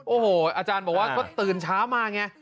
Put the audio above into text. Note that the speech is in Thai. โอ้โหอาจารย์บอกว่าก็ตื่นเช้ามาไง